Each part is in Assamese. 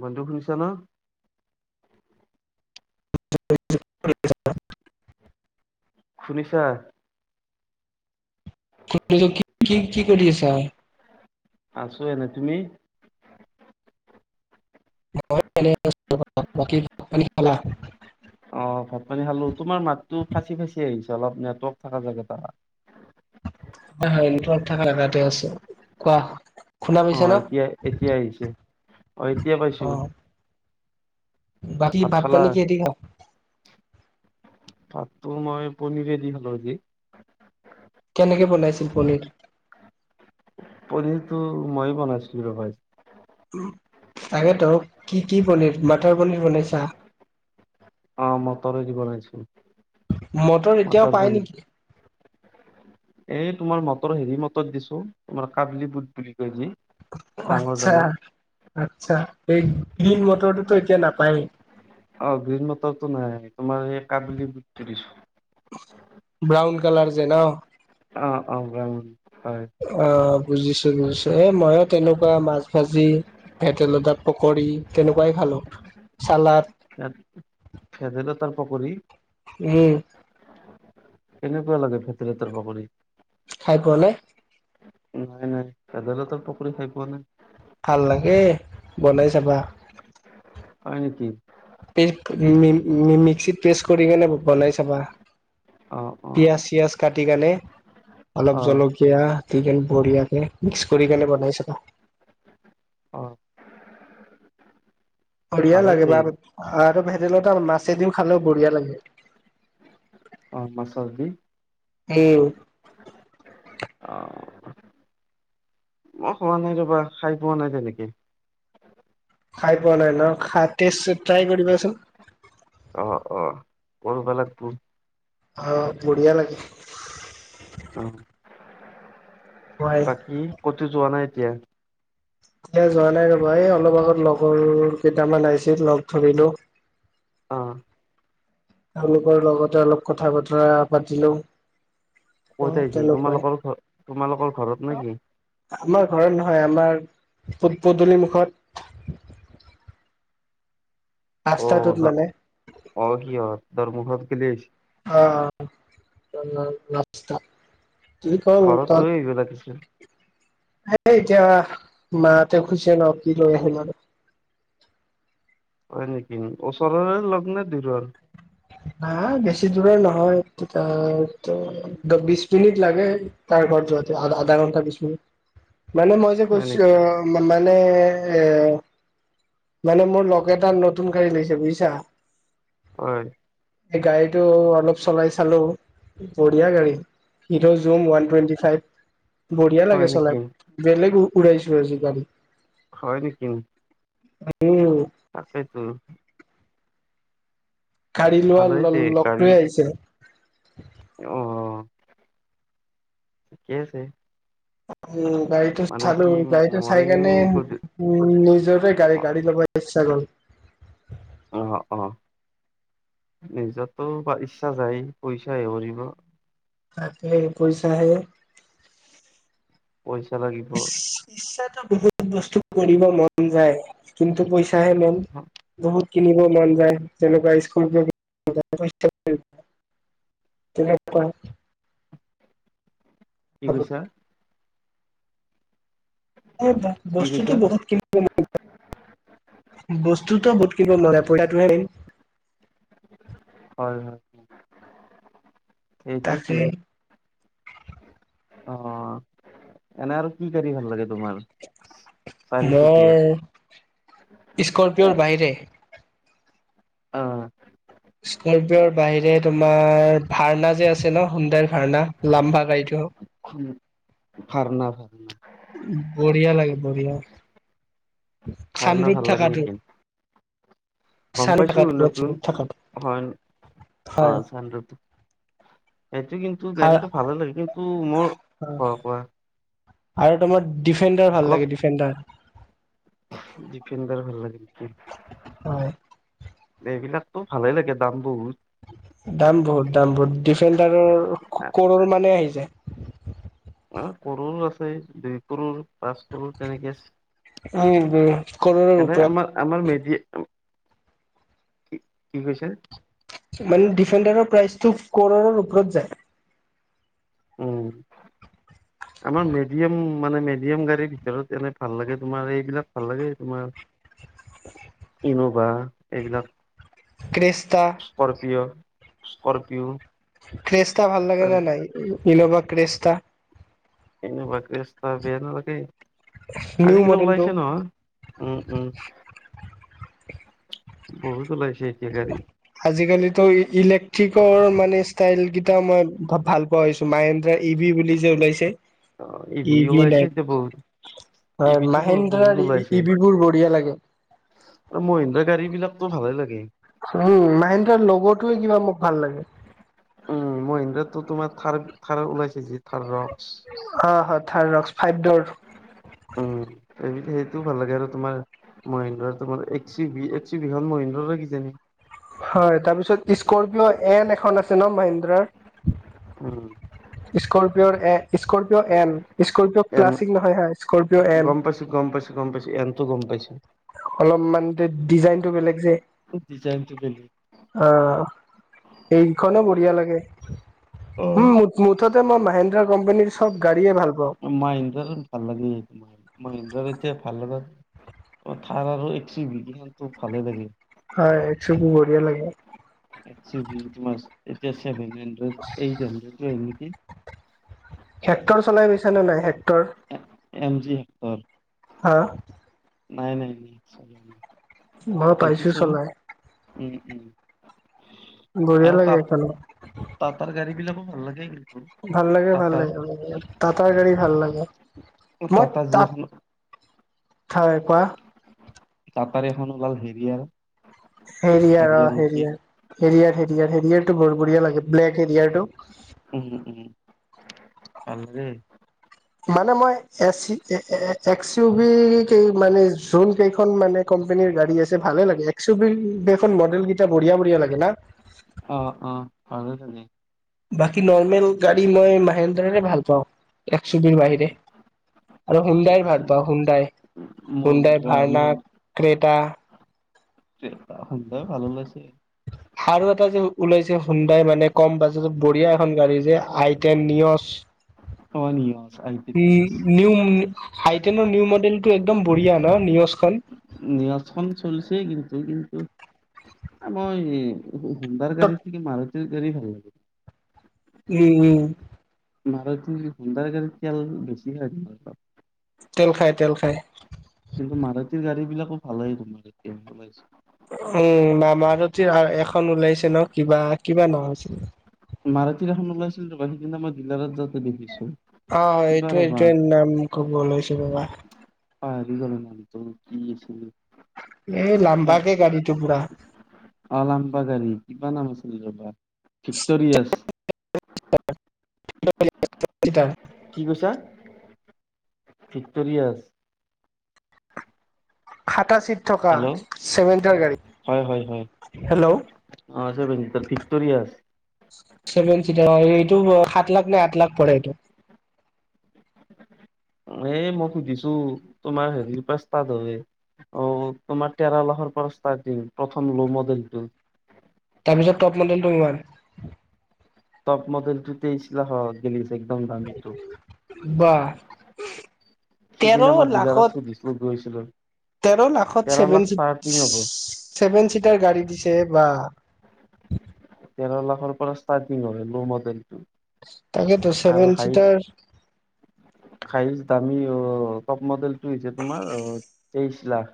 বন্ধু শুনিছা ন? [unintelligible] শুনিছা? [unintelligible] কি-কি-কি কৰি আছা? আছোঁ এনেই। তুমি? মই এনেই আছোঁ বৰ্তমান। বাকী ভাত-পানী খালা? অ‍ঁ! ভাত-পানী খালো। তোমাৰ মাতটো ফাটি-ফাটি আহিছে। অলপ নেটৱৰ্ক থকা জেগাত আহা। হয়-হয়। নেটৱৰ্ক থাকা জগাতে আছোঁ। কোৱা? শুনা পাইছা অ' ন? এতিয়া এতিয়া আহিছে। অ' এতিয়া পাইছো। অঁ। ভাত খালা? পানী কিহেদি খালা? ভাতটো মই পনিৰে দি খালো আজি। কেনেকে বনাইছিল পনীৰটো? পনিৰটো মই বনাইছিলো ৰবা আজি। তাকেতো কি-কি পনীৰ? মটৰ পনীৰ বনাইছা? অঁ মটৰে দি বনাইছোঁ। এতিয়াও মটৰ পাই পনিৰ। নেকি? এই তোমাৰ মটৰ হেৰি মটৰ দিছোঁ। তোমাৰ কাবলি বুট বুলি কয় যে? আচ্ছা-আচ্ছা! এই গ্ৰীণ মটৰটোতো এতিয়া নাপায়েই। অঁ গ্ৰীণ মটৰটো নাই তোমাৰ এই কাবেলি বুটতো দিছোঁ। ব্ৰাউন কালাৰ যে ন? অঁ-অঁ! ব্ৰাউন হয়। অ! বুজিছো-বুজিছো। এ মইয়ো তেনেকুৱা মাছ ভাজি ভেদাইলতা পকৰি তেনেকুৱাই খালোঁ। চালাড [unintelligible] ভেদাইলতাৰ পকৰি? উম। কেনেকুৱা লাগে ভেদাইলতাৰ পকৰি? খাই পোৱা নাই? নাই-নাই, ভেদাইলতাৰ পকৰি খাই পোৱা নাই। ভাল লাগে বনাই চাবা। হয় নেকি? পে মি [unintelligible] মিক্সিত প্ৰেচ কৰি কিনে বনাই চাবা। অ', অ', পিয়াজ-চিয়াজ কাটি কেনে, অলপ জল অ', এইয়া চিকেন পৰি আছে, মিক্স কৰি কেনে বনাই চাব। অ', বঢ়িয়া ভালে লাগে দে বা আৰু ভেদাইলতা মাছ দিও খালোও বঢ়িয়া লাগে। অ', মাছৰ দি। উম। অ', মই খোৱা নাই ৰবা, খায় পোৱা নাই তেনেকে। খায় পোৱা নাই ন? খায়, টেষ্ট ট্ৰাই কৰিবাচোন। অঁ অঁ। কৰব লাগবো। অ', বঢ়িয়া লাগে। অ', মই বাকী ক'তো যোৱা নাই এতিয়া? এতিয়া যোৱা নাই ৰ'বা এই অলপ আগত লগৰ কেইটামান আহিছিল লগ ধৰিলো। অ'। তেওঁলোকৰ লগতে অলপ কথা বতৰা পাতিলো। ক'ত অ' আহছিল? তেনেকুৱাই তোমালোকৰ ঘৰ, তোমালোকৰ ঘৰত নেকি? আমাৰ ঘৰত নহয়, আমাৰ পদ পদূলি মুখত। অ', ৰাস্তাটোত ত মানে অঁ সিহঁতৰ মুখত কেলে আহিচি? অ'। ঘৰত লৈ আহিব লাগিছিল। [unintelligible] হেই এতিয়া মা হঁতেও খুজিছে ন, কি লৈ আহিম আৰু। হয় নেকি? ওচৰৰে লগ নে দূৰৰ? নাই বেছি দূৰৰ নহয়, তেতিয়াটো বিশ মিনিট লাগে। তাৰ ঘৰত যোৱাতে আধা ঘণ্টা বিশ মিনিট, মানে মই হয় কৈছ, নেকি? অ মানে এ এ মানে মোৰ লগৰ এটা নতুন গাড়ী লৈছে বুজিছা। হয়। সেই গাড়ীটো অলপ চলাই চালো, বঢ়িয়া গাড়ী। সি'ৰ জুম ওৱান টুৱেণ্টি ফাইভ, বঢ়িয়া হয় লাগে নেকি? চলাই। বেলেগ উৰাইছো আজি গাড়ী। হয় নেকি? উম। তাকেতো। গাড়ী লোৱা ভালেই ল দে লগটোৱেই আহিছে। অঁ', ঠিকে আছে। উম, গাড়ীটো মানে চালো, কি গাড়ীটো চাই মইও কেনে গধূ উম, নিজৰেই গাড়ী, গাড়ী ল'ব ইচ্ছা গ'ল। অ', অ' নিজৰটো বা ইচ্ছা যায়, পইচাইহে কৰিব। তাকেই পইচাহে। পইচা লাগিব। ইচ্ছাটো বহুত বস্তু কৰিব মন যায়, কিন্তু পইচাহে মেইন। বহুত কিনিব মন যায়, যেনেকুৱা। [unintelligible] তেনেকুৱা। কি কৈছা? এই ব কি বস্তুটো কৈছা বহুত কিনিব মন যায়। বস্তুটো বহুত কিনিব মন, [unintelligible] টোহে মেইন। হয়, হয়, সেইটোৱেইতো। তাকে অ', এনে আৰু কি গাড়ী ভাল লাগে? তোমাৰ চাৰিচকীয়াত মৰ স্কপিঅৰ বাহিৰে? অ' স্কপিঅ'ৰ বাহিৰে তোমাৰ ভাৰনা যে আছে ন' সুন্দৰ ভাৰনা লাম্বা গাড়ীটো উম ভাৰনা ভাৰনা বঢ়িয়া লাগে বঢ়িয়া, ভাৰনা ভাল চানৰোপ লাগে থাকাটো নেকি গ'ম চানৰুপ পাইছো থাকাটো ওপৰত নতুন চানৰুপ থাকাটো হয় হয় অ' চানৰোপ সেইটো কিন্তু গাড়ীটো ভালে লাগে কিন্তু মোৰ কোৱা কোৱা। আৰু তোমাৰ ডিফেণ্ডাৰ ভাল অলপ লাগে ডিফেণ্ডাৰ। ডিফেণ্ডাৰ ভাল লাগে নেকি। হয়। এইবিলাকতো ভালে লাগে দাম বহুত দাম বহুত দাম বহুত ডিফেণ্ডাৰৰ কৌৰৌৰ মানে আহি যায় অ' ক'ৰৰ আছে দুই ক'ৰৰ পাঁচ কৰৌৰ তেনেকে আছে উম উম কৰৰ এনে ওপৰত আমাৰ আমাৰ বেদি কি কি কৈছে মানে ডিফেণ্ডাৰৰ প্ৰাইচটো ক'ৰৰ ওপৰত যায় উম। আমাৰ মিডিয়াম মানে, মিডিয়াম গাড়ীৰ ভিতৰত এনে ভাল লাগে তোমাৰ, এইবিলাক ভাল লাগে তোমাৰ [unintelligible] [unintelligible] কি ক'বা? এইবিলাক ক্ৰেস্তা স্কৰ্পিঅ', স্কৰ্পিঅ'। ক্ৰেষ্টতা ভাল লাগে না নাই ইনোভা ক্ৰেষ্টতা। এনেকুৱা ক্ৰেষ্টতা বেয়া নালাগেই নিউ আজিকালি মডেলটো ওলাইছে নহয়। উম, উম বহুত ওলাইছে এতিয়া গাড়ী। আজিকালিতো ইলেক্ট্ৰিকৰ মানে ষ্টাইল কেইটা মই ভ- ভাল মায়েন্ত্ৰা ই ভি বুলি যে ওলাইছে অ' ই ভিও ভি ওলাইছে নাই এতিয়া বহুত ই হয় ভিটো বহুত মাহেন্দ্ৰাৰ ওলাইছে। ই-ই ভিবোৰ বঢ়িয়া লাগে মহিন্দ্ৰাৰ গাড়ী বিলাকতো ভালে লাগে উম, মাহেন্দ্ৰাৰ লগোটোৱে কিবা মোক ভাল লাগে। উম, মহিন্দ্ৰাততো তোমাৰ থাৰ থাৰ ওলাইছি যি থাৰ ৰক্স অ' হয় থাৰ্ড ৰক্স ফাইভ ডোৰ উম, সেই সেইটোও ভাল লাগে আৰু তোমাৰ মহেন্দ্ৰাতো তোমাৰ এক ছি ভি এক ছি ভি খান মহেন্দ্ৰাৰ কিজানি হয় তাৰপিছত স্কৰপিঅ' এন এখন আছে ন' মহিন্দ্ৰাৰ উম স্কপিঅ'ৰ এ Scorpio N Scorpio N classic নহয় হা স্কপিঅ' এন গম গম পাইছে পাইছো গম পাইছে এনতো গম পাইছো অলপমান ডিজাইনতটো বেলেগ যে ডিজাইনটো বেল অ' এইখনো বঢ়িয়া লাগে, অ উম মুঠতে মই মাহেন্দ্ৰা কোম্পানীৰ চব গাড়ীয়ে ভাল পাওঁ মহেন্দ্ৰাৰ ভাল লাগে মহেন্দ্ৰাৰ এতিয়া ভাল লগা [unintelligible] হয় এক ছো ভি বঢ়িয়া লাগে। [unintelligible] হেক্টৰ চলাই গৈছে নে নাই হেক্টৰ? M G Hector. অ'। নাই নাই নাই মই [inaudible] পাইছো দেখিছো। চলাই। উম, উম। বঢ়িয়া আৰু লাগে তাত সেইখনো। টাটাৰ গাড়ী বিলাকো ভাল লাগে। ভাল লাগে, ভাল টাটাৰ লাগে ত গাড়ী ভাল লাগে। মই টাটা ত যি এখন হয় কোৱা? [unintelligible] এখন ওলাল হেৰি [unintelligible] হেৰিয়াৰ অ হেৰিয়াৰ হেৰিয়াৰ হেৰিয়াৰ হেৰিয়াৰটো বৰব়া লাগে ব্লেক হেৰিয়াৰটো। উম উম আলে মানে মই এ একচ ইউ বি ক মানে জোন কেইখন মানে কোম্পানীৰ গাডী আছে ভালে লাগে। এক্সপিল সেইখন মডেল কেইটা বঢ়িয়া বঢিয়া লাগে না? অ অ [unintelligible] বাকী নৰ্মেল ইটছ গাড়ী মই মাহেন্দাৰেৰে ভাল পাওঁ। এক ছুবিৰ অ বাহিৰে আৰু হুণ্ডাইৰ ইটছ ভাল পাওঁ হুডাই। হুণ্ডাই, মহিন্দ্ৰা ভাৰনা, ক্ৰেতা [unintelligible] আৰু এটা যে ওলাইছে সোনন্দাই মানে কম বাজেটত বঢ়িয়া এখন গাড়ী যে আইটন ন [unintelligible] নি হাইটেনৰ নিউ মডেল টো একদম বঢ়িয়া ন নিউজখন? নিৰচখন চলিছে কিন্তু কিন্তু মই সুন্দাৰ গাড়ী কি মাৰুতিৰ গাড়ী ভাল লাগে। উম উম। মাৰুতি সুন্দাৰ গাড়ীত তেল বেছি খাই। তেল খায় তেল খায়। কিন্তু মাৰুতি গাড়ী বিলাকো ভালে তোমাৰ এতিয়া ওলাইছে। উম মাৰুতি এখন ওলাইছে ন? কিবা কিবা নহ হৈছিল মাৰুতি এখন ওলাইছিল তোমাৰ সিদিনা মই ডিলাৰত যাওঁতে দেখিছো। অ কিবা এইটোয় ৰ'বা এইটোয়ে নাম কব লৈছো ৰবা। পাহৰি গলোঁ নামটো কি আছিল? এই কিবা লাম্বা কে গাড়ীটো পুৰা অ লাম্বা গাড়ী কিবা নাম আছিলে ৰবা [unintelligible] [inaudible] কি কৈছা? ভিক্টৰিয়া খাটা চিট থকা হেল্ল' চেমেণ্টাৰ হয় হয় হয়। গাড়ী। হেল্লো' [unintelligible] ভিক্টৰিয়াছ চছেভেন চিটাৰ এইটো সাত লাখ নে আঠ লাখ পৰে এইটো। এ মই সুধিছো তোমাৰ হেৰি [unintelligible] অ তোমাৰ তেৰা লাখৰ পৰা ষ্টাৰ্টিং প্ৰথম লো মডেলটো তাৰপিছত ট মডেলটো ইমান টপ মডেলটো তেইশ লাখ আও গিলিছ একদম দামীটো। বা তেৰ সিদিনা ময় লাখত ডিলাৰত গৈ দিফুত গৈছিলো। তেৰ তেৰ লাখ ষ্টাৰ্টিং হ'ব। ছেভেন চিটাৰ গাড়ী দিছে বাহ। তেৰ লাখৰ পৰা ষ্টাৰ্টিং হয় ল' মডেলটো। তাকেতো চেভেন আৰু হাইছ- চিটাৰ হায়েছ দামী অঁ টপ মডেলটো হৈছে তোমাৰ অ তেইশ লাখ।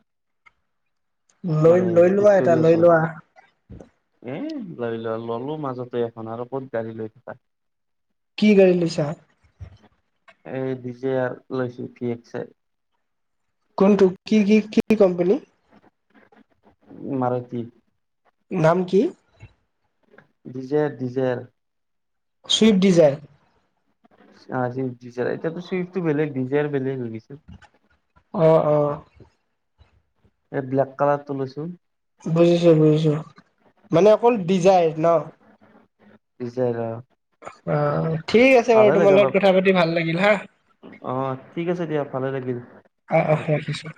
লৈ মানে লৈ লোৱা এটা ভিক্টৰিয়া লৈ চৰ। লোৱা এ লৈ লোৱা ললো মাজতে এখন আৰু ক'ত গাড়ী লৈ থাকা। কি গাড়ি লৈছা? এই ডিজে লৈছো ফিকছে। কোনটো কি কি কি কোম্পানী? মাৰুতি। নাম কি? দিজেৰ দিজেৰ। সুইফ্ট ডিজাইৰ। ছুইফট দিজাইৰ এতিয়াতো চুইফটো বেলেগ ডিজায়েৰ বেলেগ হৈ গৈছে। অ অ' এই ব্লেক কালাৰটো লৈছো। বুজিছো বুজিছো, মানে অকল ডিজাইৰ ন। ডিজাইৰ অঁ' অঁ' ঠিক আছে বাৰু তোমাৰ লগত কথা পাতি ভাল লাগিল হাঁ। অঁ' ঠিক আছে দিয়া ভালে লাগিল। অ' কথা অ' পাতি। ৰাখিছো।